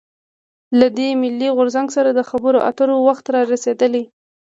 له دې «ملي غورځنګ» سره د خبرواترو وخت رارسېدلی.